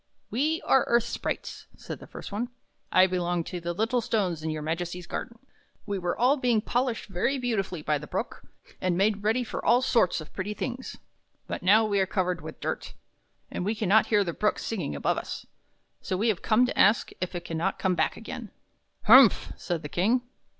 " We are earth sprites," said the first one. " I belong to the little stones in your Majesty's garden. We were all being polished very beautifully by the Brook, and made ready for all sorts of pretty things. But now we are covered with dirt, and we can not hear the Brook singing above us; so we have come to ask if it can not come back again." "Humph!" said the King.